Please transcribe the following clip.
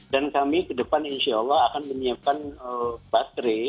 dan kami ke depan insya allah akan menyiapkan baterai